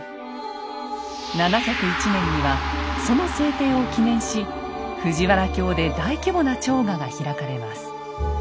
７０１年にはその制定を記念し藤原京で大規模な朝賀が開かれます。